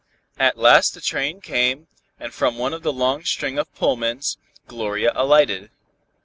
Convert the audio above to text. At last the train came and from one of the long string of Pullmans, Gloria alighted.